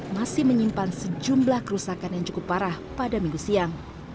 masih menyimpan sejumlah kerusakan yang cukup parah pada minggu siang